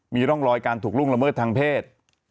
มีร่องรอยการถูกล่วงละเมิดทางเพศ